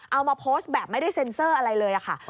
เอามาโพสต์แบบไม่ได้เซ็นเซอร์อะไรเลยค่ะ